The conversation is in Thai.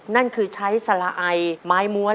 นั่นคือใช้สละไอไม้ม้วน